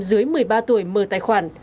dưới một mươi ba tuổi mở tài khoản